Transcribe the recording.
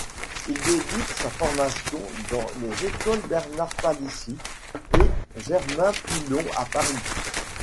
Il débute sa formation dans les écoles Bernard-Palissy et Germain-Pillon à Paris.